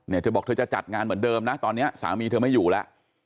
เธอบอกเธอจะจัดงานเหมือนเดิมนะตอนนี้สามีเธอไม่อยู่แล้ว